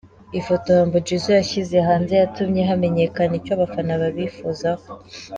Ifoto Humble Jizzo yashyize hanze yatumye hamenyekana icyo abafana babifuzaho.